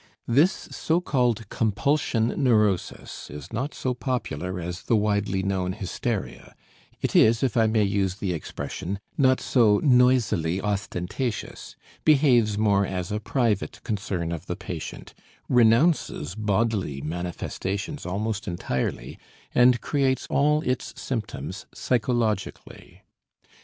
This so called compulsion neurosis is not so popular as the widely known hysteria; it is, if I may use the expression, not so noisily ostentatious, behaves more as a private concern of the patient, renounces bodily manifestations almost entirely and creates all its symptoms psychologically.